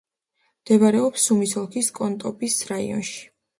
მდებარეობს სუმის ოლქის კონოტოპის რაიონში.